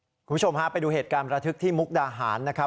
คุณผู้ชมฮะไปดูเหตุการณ์ประทึกที่มุกดาหารนะครับ